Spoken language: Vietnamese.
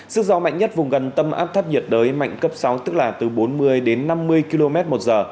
sức gió mạnh nhất vùng gần tâm áp thấp nhiệt đới mạnh cấp sáu tức là từ bốn mươi đến năm mươi km một giờ